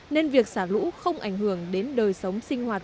nên việc xả lũ không ảnh hưởng đến đời sống sinh hoạt